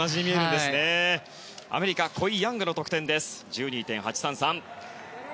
アメリカコイ・ヤングの得点は１２．８３３。